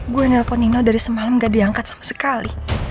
gue nelpon nino dari semalam gak diangkat sama sekali